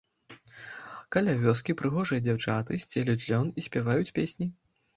Каля вёскі прыгожыя дзяўчаты сцелюць лён і спяваюць песні.